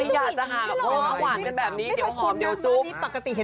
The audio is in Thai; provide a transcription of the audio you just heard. ไม่อยากจะหากว่ามันหวานกันแบบนี้เดี๋ยวหอมเดี๋ยวจุ๊บ